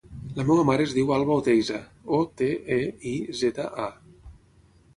La meva mare es diu Alba Oteiza: o, te, e, i, zeta, a.